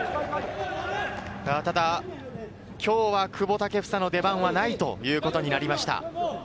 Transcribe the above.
ただ今日は久保建英の出番はないということになりました。